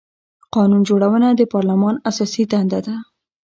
قانون جوړونه د پارلمان اساسي دنده ده